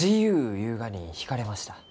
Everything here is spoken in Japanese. ゆうがに引かれました。